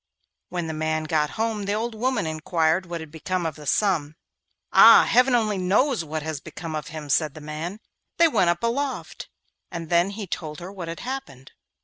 When the man got home the old woman inquired what had become of the son. 'Ah! Heaven only knows what has become of him!' said the man. 'They went up aloft.' And then he told her what had happened.